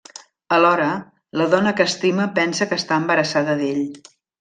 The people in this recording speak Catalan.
Alhora, la dona que estima pensa que està embarassada d'ell.